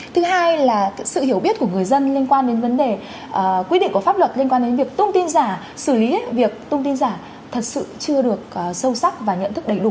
thứ hai là sự hiểu biết của người dân liên quan đến vấn đề quy định của pháp luật liên quan đến việc tung tin giả xử lý việc thông tin giả thật sự chưa được sâu sắc và nhận thức đầy đủ